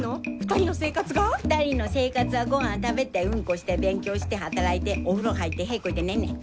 ２人の生活はごはん食べてうんこして勉強して働いてお風呂入って屁こいて寝んねん。